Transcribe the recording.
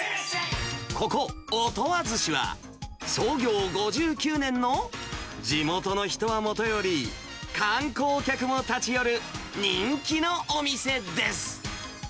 ここ、音羽鮨は、創業５９年の地元の人はもとより、観光客も立ち寄る人気のお店です。